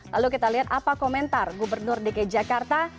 lalu kita lihat apa komentar gubernur dki jakarta